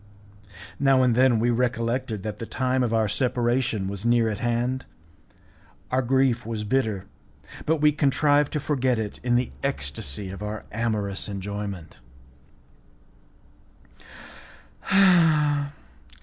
Now and then we recollected that the time of our separation was near at hand, our grief was bitter, but we contrived to forget it in the ecstacy of our amorous enjoyment.